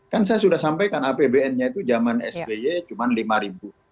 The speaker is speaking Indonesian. kan saya sudah sampaikan apbn nya itu zaman sby cuma lima ribu